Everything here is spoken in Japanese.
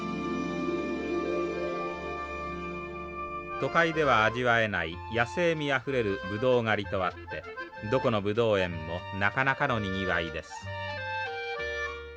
都会では味わえない野性味あふれるブドウ狩りとあってどこのブドウ園もなかなかのにぎわいです。